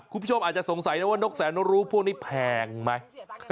คุณผู้ชมอาจจะสงสัยนะว่านกแสนรู้พวกนี้แพงไหม